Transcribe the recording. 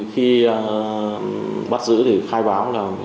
khi bắt giữ thì khai báo là